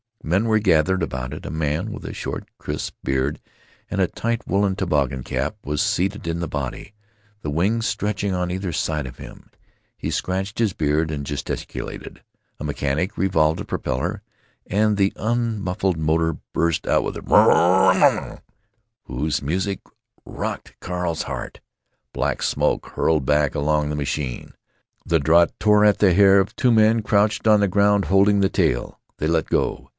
Men were gathered about it. A man with a short, crisp beard and a tight woolen toboggan cap was seated in the body, the wings stretching on either side of him. He scratched his beard and gesticulated. A mechanic revolved the propeller, and the unmuffled motor burst out with a trrrrrrrr whose music rocked Carl's heart. Black smoke hurled back along the machine. The draught tore at the hair of two men crouched on the ground holding the tail. They let go.